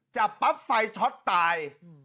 จับปั๊บไฟช็อตตาย